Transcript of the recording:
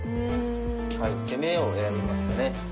はい攻めを選びましたね。